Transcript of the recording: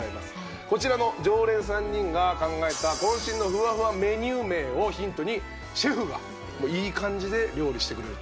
こちらの常連３人が考えた渾身のふわふわメニュー名をヒントにシェフがいい感じで料理してくれるという。